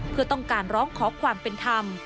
เพื่อต้องการร้องขอความเป็นธรรม